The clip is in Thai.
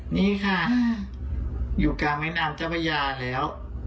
นีคะอยู่กลางแม่นามชาวบรรยาแล้ว